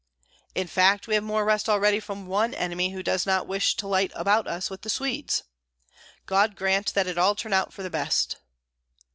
"In fact, we have more rest already from one enemy who does not wish to light about us with the Swedes." "God grant that all turn out for the best."